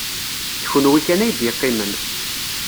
D kenwi kan ay d-yeqqimen.